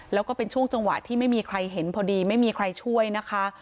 แล้วก็เป็นช่วงจังหวะที่ไม่มีใครเห็นพอดีไม่มีใครช่วยนะคะ